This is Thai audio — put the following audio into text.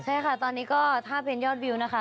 ใช่ค่ะตอนนี้ก็ถ้าเป็นยอดวิวนะคะ